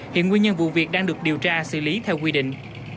hiện nguyên nhân vụ việc đang được điều tra xử lý theo quy định